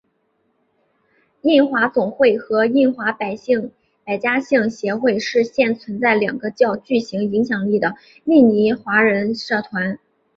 印华总会和印华百家姓协会是现存两个较具影响力的印尼华人社团。